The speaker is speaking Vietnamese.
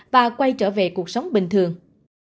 và quay trở về cuộc sống bình thường